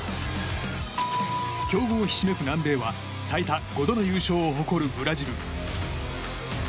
強豪ひしめく南米は最多５度の優勝を誇るブラジル。